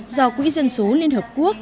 do quỹ dân số liên hợp quốc